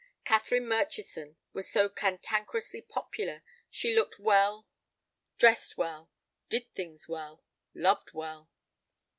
Catherine Murchison was so cantankerously popular. She looked well, dressed well, did things well, loved well.